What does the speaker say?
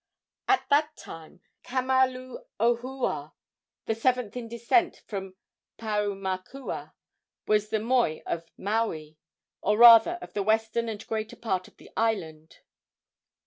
At that time Kamaluohua, the seventh in descent from Paumakua, was the moi of Maui, or rather of the western and greater part of the island.